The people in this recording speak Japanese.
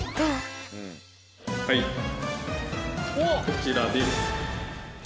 こちらです。